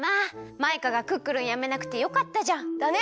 マイカがクックルンやめなくてよかったじゃん。だね！